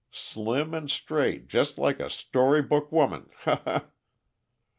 Slim and straight, jest like a storybook woman _he he!